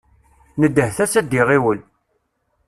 Nedhet-as ad iɣiwel.